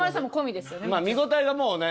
まあ見応えがもうね。